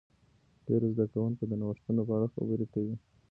ډیر زده کوونکي د نوښتونو په اړه خبرې کوي.